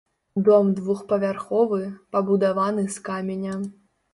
Дом двухпавярховы, пабудаваны з каменя.